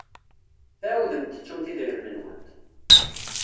Tɛawdemt tettumt idrimen-nwent.